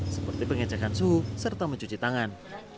seperti pengecekan suhu serta mencuci tangan